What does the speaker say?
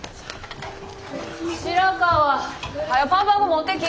白川！はよパンパン粉持ってき！